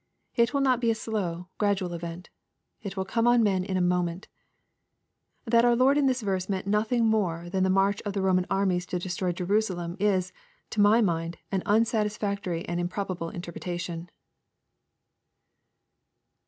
It will not be a slow, gradual event It will come on men in a moment That our Lord in this verse meant nothing more than the march of the Roman armies to destroy Jerusalem, is, to my mind, an un satisfactory and improbable interpretation.